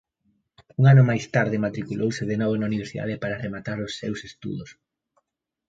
Un ano máis tarde matriculouse de novo na universidade para rematar os seus estudos.